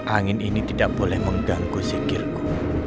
angin ini tidak boleh mengganggu zikirku